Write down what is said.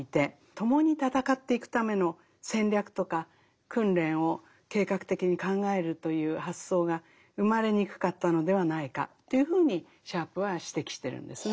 共に戦っていくための戦略とか訓練を計画的に考えるという発想が生まれにくかったのではないかというふうにシャープは指摘してるんですね。